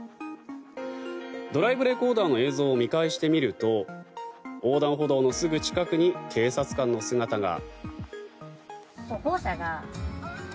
ドライブレコーダーの映像を見返してみると横断歩道のすぐ近くに警察官の姿が。